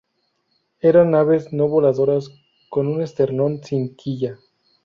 Eran aves no voladoras con un esternón sin quilla.